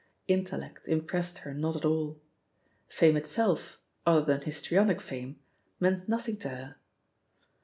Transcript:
Intellect impressed her not at all. Fame itself, other than histrionic fame, meant nothing to her.